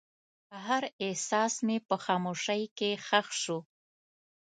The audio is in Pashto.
هر احساس مې په خاموشۍ کې ښخ شو.